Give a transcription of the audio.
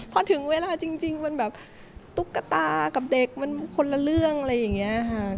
พอถึงเวลาจริงมันแบบตุ๊กตากับเด็กมันคนละเรื่องอะไรอย่างนี้ค่ะ